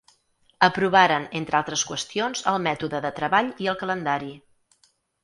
Aprovaren entre altres qüestions el mètode de treball i el calendari.